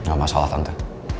gak masalah tante